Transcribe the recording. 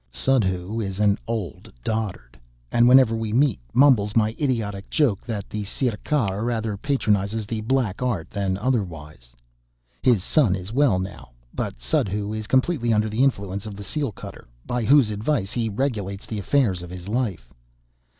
Suddhoo is an old dotard; and whenever we meet mumbles my idiotic joke that the Sirkar rather patronizes the Black Art than otherwise. His son is well now; but Suddhoo is completely under the influence of the seal cutter, by whose advice he regulates the affairs of his life.